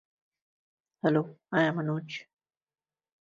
The movie was mainly set in Chicago and was largely filmed in downtown Chicago.